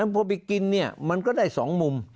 พอไปกินเนี่ยมันก็ได้๒มุม